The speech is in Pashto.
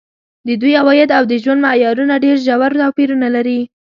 د دوی عواید او د ژوند معیارونه ډېر ژور توپیرونه لري.